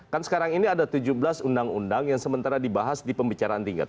kan sekarang ini ada tujuh belas undang undang yang sementara dibahas di pembicaraan tingkat